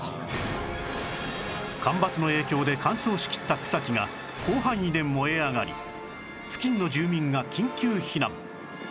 干ばつの影響で乾燥しきった草木が広範囲で燃え上がり付近の住民が緊急避難